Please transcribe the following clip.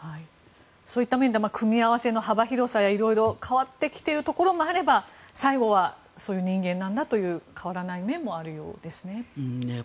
そういった面で組み合わせの幅広さや色々変わってきているところもあれば最後はそういう人間なんだという変わらない面もあるようですね。